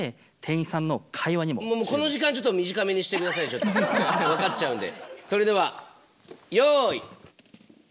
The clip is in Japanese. ちょっと分かっちゃうんで。